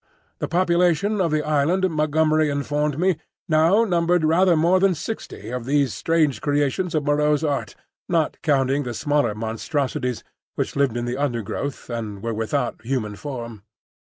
The population of the island, Montgomery informed me, now numbered rather more than sixty of these strange creations of Moreau's art, not counting the smaller monstrosities which lived in the undergrowth and were without human form.